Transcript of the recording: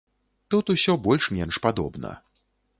Тут усё больш-менш падобна.